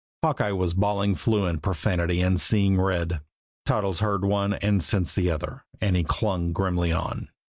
Hawkeye was bawling fluent profanity and seeing red. Toddles heard one and sensed the other and he clung grimly on.